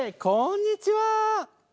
こんにちは。